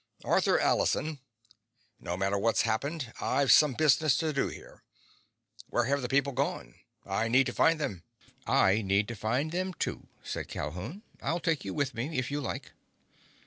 "Arthur Allison. No matter what's happened, I've some business to do here. Where have the people gone? I need to find them." "I need to find them too," said Calhoun. "I'll take you with me, if you like."